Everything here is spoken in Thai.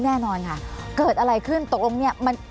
ภารกิจสรรค์ภารกิจสรรค์